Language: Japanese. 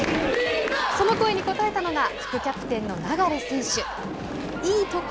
その声に応えたのが副キャプテンの流選手。